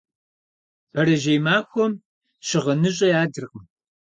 Бэрэжьей махуэм щыгъыныщӏэ ядыркъым.